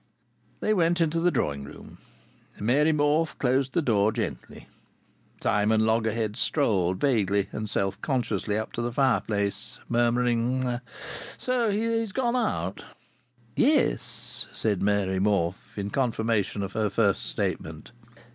They went into the drawing room. Mary Morfe closed the door gently. Simon Loggerheads strolled vaguely and self consciously up to the fireplace, murmuring: "So he's gone out?" "Yes," said Mary Morfe, in confirmation of her first statement.